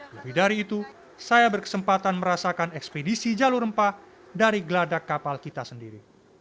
lebih dari itu saya berkesempatan merasakan ekspedisi jalur rempah dari geladak kapal kita sendiri